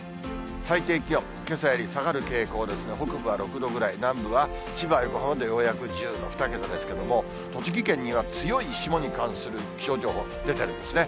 最低気温、けさより下がる傾向ですね、北部は６度ぐらい、南部は千葉、横浜でようやく１０度、２桁ですけども、栃木県には強い霜に関する気象情報が出てるんですね。